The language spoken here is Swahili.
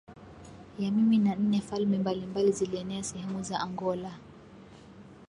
Ya Mimi na nne falme mbalimbali zilienea sehemu za Angola